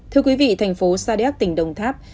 thưa quý vị thành phố sa đéc tỉnh đồng tháp